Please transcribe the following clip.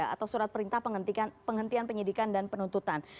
atau surat perintah penghentian penyidikan dan penuntutan